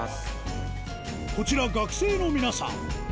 こちら学生の皆さん